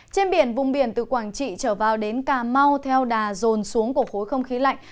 trên biển vùng biển từ quảng trị trở vào đến cà mau theo đà rồn xuống của khối không khí lạnh